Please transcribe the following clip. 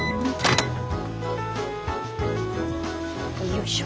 よいしょ。